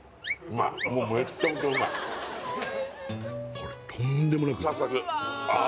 これとんでもなくサクサクああ